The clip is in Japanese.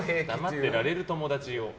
黙ってられる友達を。